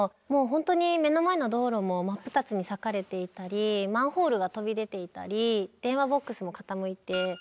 もう本当に目の前の道路も真っ二つに裂かれていたりマンホールが飛び出ていたり電話ボックスも傾いて。